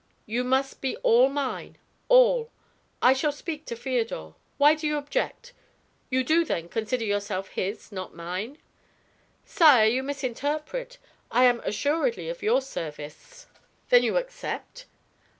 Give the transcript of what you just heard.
You must be all mine, all. I shall speak to Feodor. Why do you object? You do, then, consider yourself his, not mine?" "Sire, you misinterpret; I am assuredly of your service." "Then you accept?"